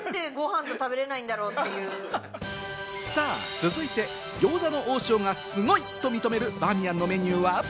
続いて、餃子の王将がすごいと認めるバーミヤンのメニューは？